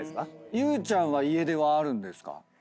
ゆうちゃんは家出はあるんですか？